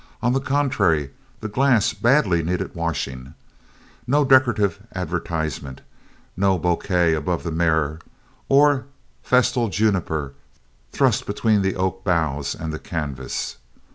On the contrary, the glass badly needed washing. No decorative advertisement, no bouquet above the mirror, or festal juniper thrust between the oak bows and the canvas.